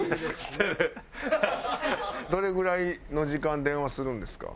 どれぐらいの時間電話するんですか？